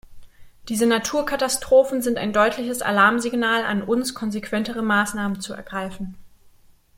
Diese Naturkatastrophen sind ein deutliches Alarmsignal an uns, konsequentere Maßnahmen zu ergreifen.